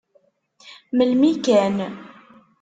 Melmi kan.